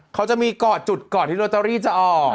เขาจะมีก่อดจุดก่อดที่โรตารีจะออก